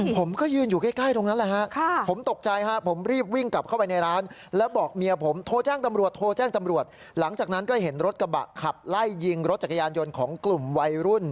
ผมก็ยืนอยู่ใกล้ตรงนั้นแหละฮะ